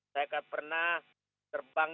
saya kan pernah terbang